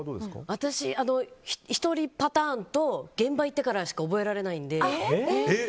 私は１人パターンと現場行ってからしか覚えられないので。